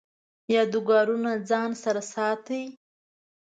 یادګارونه ځان سره ساتئ؟